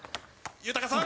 豊さん！